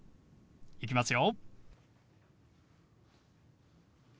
いきますよ。